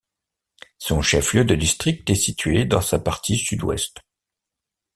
Son chef-lieu de district est situé dans sa partie sud-ouest.